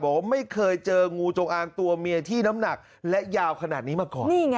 บอกว่าไม่เคยเจองูจงอางตัวเมียที่น้ำหนักและยาวขนาดนี้มาก่อน